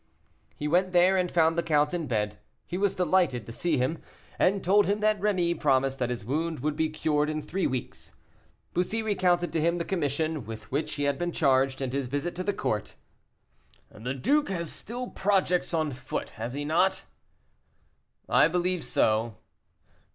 He went there, and found the count in bed; he was delighted to see him, and told him that Rémy promised that his wound would be cured in three weeks. Bussy recounted to him the commission with which he had been charged, and his visit to the court. "The duke has still projects on foot, has he not?" "I believe so."